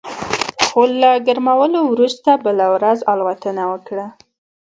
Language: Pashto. خو له ګرمولو وروسته بله ورځ الوتنه وکړه